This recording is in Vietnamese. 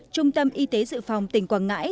trung tâm y tế dự phòng tỉnh quảng ngãi